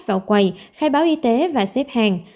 vào quầy khai báo y tế và xếp hàng